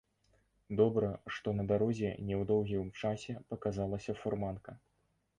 Добра, што на дарозе не ў доўгім часе паказалася фурманка.